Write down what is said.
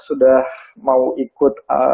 sudah mau ikut